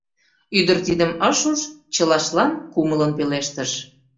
Ӱдыр тидым ыш уж, чылаштлан кумылын пелештыш: